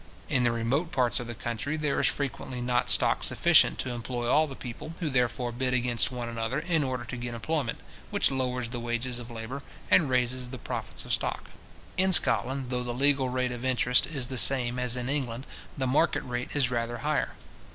In the remote parts of the country, there is frequently not stock sufficient to employ all the people, who therefore bid against one another, in order to get employment, which lowers the wages of labour, and raises the profits of stock. In Scotland, though the legal rate of interest is the same as in England, the market rate is rather higher.